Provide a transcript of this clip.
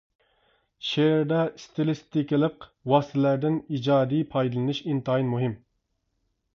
شېئىردا ئىستىلىستىكىلىق ۋاسىتىلەردىن ئىجادىي پايدىلىنىش ئىنتايىن مۇھىم.